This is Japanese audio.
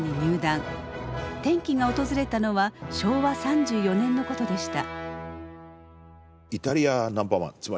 転機が訪れたのは昭和３４年のことでした。